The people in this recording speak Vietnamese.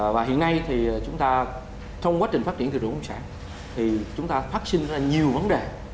và hiện nay thì chúng ta trong quá trình phát triển thị trường nông sản thì chúng ta phát sinh ra nhiều vấn đề